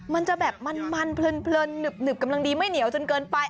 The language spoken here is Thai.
มันจะแบบมันเพลินหนึบกำลังดีไม่เหนียวจนเกินไป